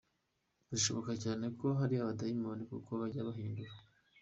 Birashoboka cyane ko ari abadayimoni kuko bajya bihindura.